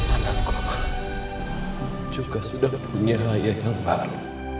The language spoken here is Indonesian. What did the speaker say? anakku juga sudah punya ayah yang baru